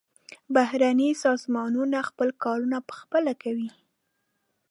بهرني سازمانونه خپل کارونه پخپله کوي.